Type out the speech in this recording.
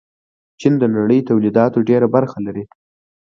چین د نړۍ تولیداتو ډېره برخه لري.